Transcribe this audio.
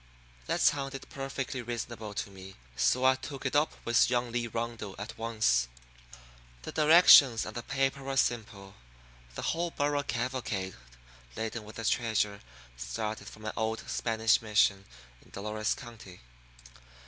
That sounded perfectly reasonable to me, so I took it up with young Lee Rundle at once. The directions on the paper were simple. The whole burro cavalcade laden with the treasure started from an old Spanish mission in Dolores County.